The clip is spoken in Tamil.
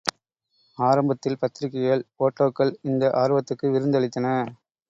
ஆரம்பத்தில் பத்திரிகைகள், போட்டோக்கள் இந்த ஆர்வத்துக்கு விருந்து அளித்தன.